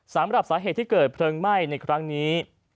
สำหรับสาเหตุที่เกิดเพลิงไหม้ในครั้งนี้